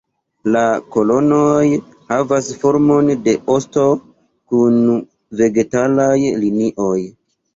La kolonoj havas formon de osto, kun vegetalaj linioj.